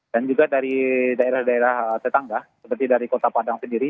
dan juga dari daerah daerah tetangga seperti dari kota padang sendiri